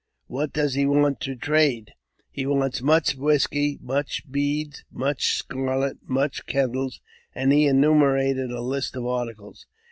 " What does he want to trade ?"" He wants much whisky, much beads, much scarlet, much kettles," and he enumerated a list of articles.